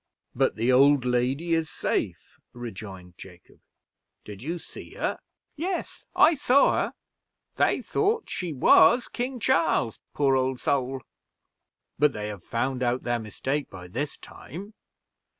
"But the old lady is safe," rejoined Jacob. "Did you see her?" "Yes, I saw her; they thought she was King Charles poor old soul." "But they have found out their mistake by this time?"